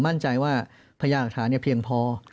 เพราะอาชญากรเขาต้องปล่อยเงิน